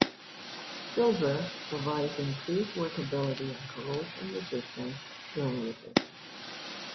Silver provides increased workability and corrosion resistance during usage.